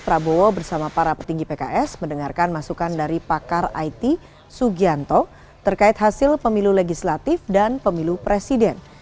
prabowo bersama para petinggi pks mendengarkan masukan dari pakar it sugianto terkait hasil pemilu legislatif dan pemilu presiden